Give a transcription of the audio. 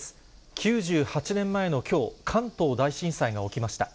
９８年前のきょう、関東大震災が起きました。